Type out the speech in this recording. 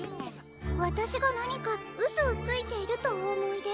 わたしがなにかうそをついているとおおもいで？